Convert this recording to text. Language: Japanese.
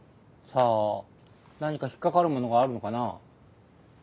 さあ何か引っ掛かるものがあるのかな？